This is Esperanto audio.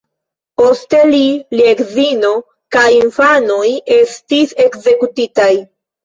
Poste li, lia edzino kaj infanoj estis ekzekutitaj.